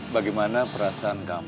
bukit dulu bentar